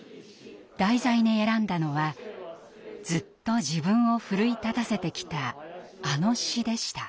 題材に選んだのはずっと自分を奮い立たせてきたあの詩でした。